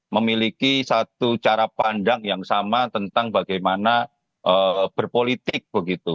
memiliki satu cara pandang yang sama tentang bagaimana berpolitik begitu